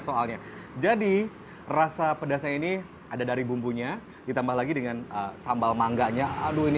soalnya jadi rasa pedasnya ini ada dari bumbunya ditambah lagi dengan sambal mangganya aduh ini